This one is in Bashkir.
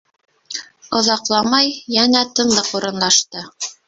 Оҙаҡламай йәнә тынлыҡ урынлашты.